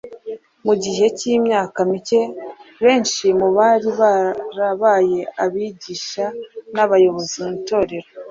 mu gihe cy’imyaka mike benshi mu bari barabaye abigisha n’abayobozi mu itorero